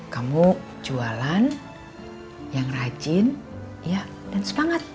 kamu jualan yang rajin ya dan sepangat